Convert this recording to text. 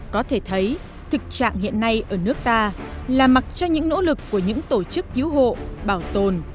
có thể thấy thực trạng hiện nay ở nước ta là mặc cho những nỗ lực của những tổ chức cứu hộ bảo tồn